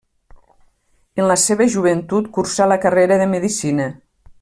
En la seva joventut cursà la carrera de medicina.